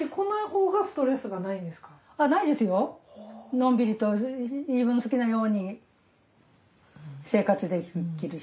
のんびりと自分の好きなように生活できるし。